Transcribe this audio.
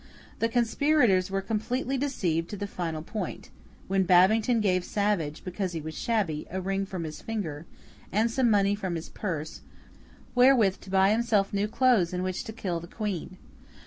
The conspirators were completely deceived to the final point, when Babington gave Savage, because he was shabby, a ring from his finger, and some money from his purse, wherewith to buy himself new clothes in which to kill the Queen.